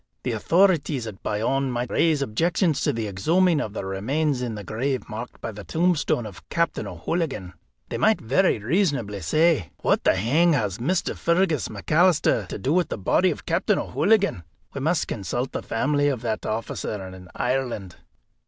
"The authorities at Bayonne might raise objections to the exhuming of the remains in the grave marked by the tombstone of Captain O'Hooligan. They might very reasonably say: 'What the hang has Mr. Fergus McAlister to do with the body of Captain O'Hooligan?' We must consult the family of that officer in Ireland."